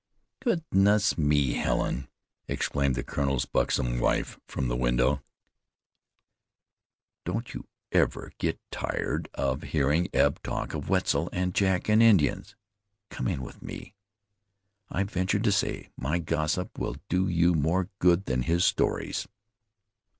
"Goodness me, Helen!" exclaimed the colonel's buxom wife, from the window, "don't you ever get tired hearing Eb talk of Wetzel, and Jack, and Indians? Come in with me. I venture to say my gossip will do you more good than his stories."